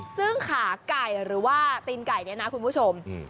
ซึ่งขาไก่หรือว่าตีนไก่เนี่ยนะคุณผู้ชม